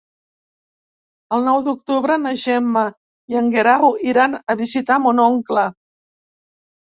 El nou d'octubre na Gemma i en Guerau iran a visitar mon oncle.